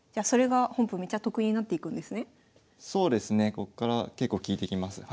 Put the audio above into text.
こっから結構きいてきます。